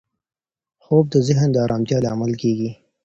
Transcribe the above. خوب د ذهن د ارامتیا لامل کېږي.